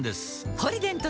「ポリデント」